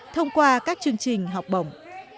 thông qua các chương trình học bổng